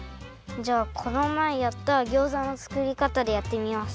じゃあこのまえやったギョーザのつくりかたでやってみます。